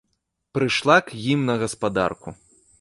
Прыйшла к ім на гаспадарку.